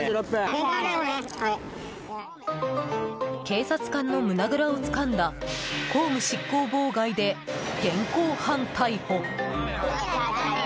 警察官の胸ぐらをつかんだ公務執行妨害で現行犯逮捕。